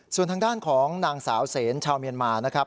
ส่วนทางด้านของนางสาวเสนชาวเมียนมานะครับ